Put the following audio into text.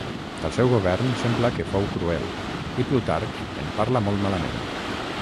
El seu govern sembla que fou cruel i Plutarc en parla molt malament.